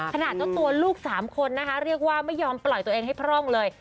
เจ้าตัวลูก๓คนนะคะเรียกว่าไม่ยอมปล่อยตัวเองให้พร่องเลย